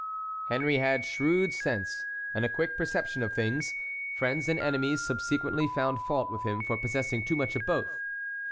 Henry had shrewd sense and a quick perception of things; friends and enemies subsequently found fault with him for possessing too much of both.